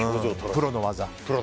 プロの技。